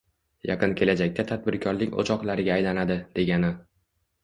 yaqin kelajakda tadbirkorlik o‘choqlariga aylanadi, degani.